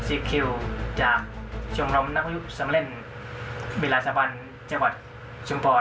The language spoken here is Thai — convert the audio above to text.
เอกสติจันติภาพวิทยุจากชุมพร